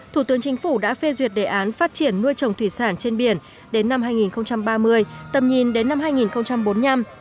thủ tướng chính phủ đã phê duyệt đề án phát triển nuôi trồng thủy sản trên biển đến năm hai nghìn ba mươi tầm nhìn đến năm hai nghìn bốn mươi năm